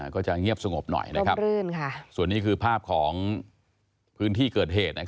ก็จะเงียบสงบหน่อยส่วนนี้คือภาพของพื้นที่เกิดเหตุ